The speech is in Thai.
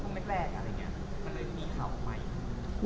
มันเลยมีข่าวใหม่